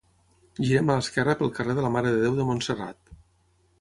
girem a l'esquerra pel carrer de la mare de Déu de Montserrat